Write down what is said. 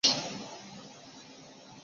天顺四年侍讲读于东宫。